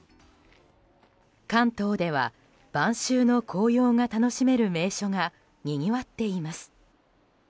関東では晩秋の紅葉が楽しめる名所がにぎわっています。